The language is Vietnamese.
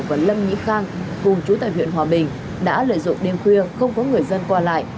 và lâm nhĩ khang cùng chú tại huyện hòa bình đã lợi dụng đêm khuya không có người dân qua lại